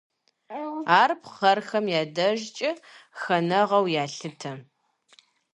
Ар пхъэрхэм я дежкӀэ хэнэгъуэу ялъытэ.